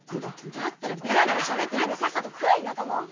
だったらベラベラしゃべってないでさっさと食え田舎者！